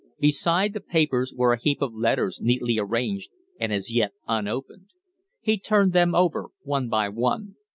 Beside the papers were a heap of letters neatly arranged and as yet unopened. He turned them over one by one.